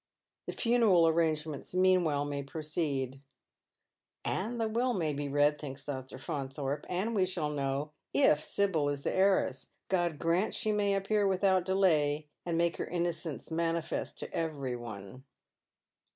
The funeral arrangements mean while may proceed, " And "the will may be read," thinks Dr. Faunthorpe, " and we shall know if Sibyl is the heiress. God grant she may appear without delay, and make her innocence manifest to every one."